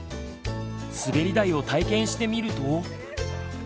すべり台を体験してみると。